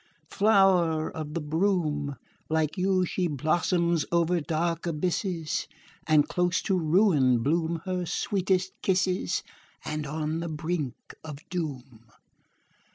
Flower of the broom! Like you she blossoms over dark abysses, And close to ruin bloom her sweetest kisses, And on the brink of doom.